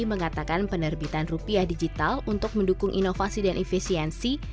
mengatakan penerbitan rupiah digital untuk mendukung inovasi dan efisiensi